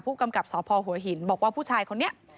กำกับสพหัวหินบอกว่าผู้ชายคนนี้